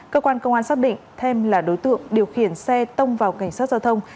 cơ quan công an xác định thêm là đối tượng điều khiển xe tông vào cảnh sát giao thông